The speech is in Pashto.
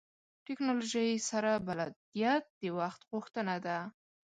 ټکنالوژۍ سره بلدیت د وخت غوښتنه ده.